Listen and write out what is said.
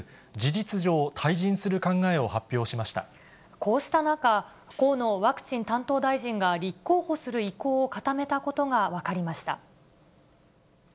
こうした中、河野ワクチン担当大臣が立候補する意向を固めたことが分かりました。